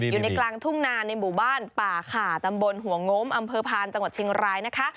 อยู่ในกลางทุ่งนาในหมู่บ้านป่าขาตำบลหัวโง้มอำเภอพานจังหวัดเชียงรายนะคะ